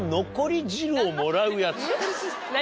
何？